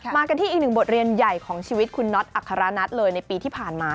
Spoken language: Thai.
มากันที่อีกหนึ่งบทเรียนใหญ่ของชีวิตคุณน็อตอัครนัทเลยในปีที่ผ่านมา